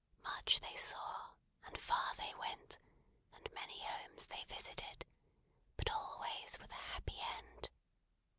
Much they saw, and far they went, and many homes they visited, but always with a happy end.